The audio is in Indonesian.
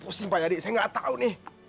pusing pak yadi saya gak tau nih